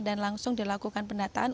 dan langsung dilakukan pendataan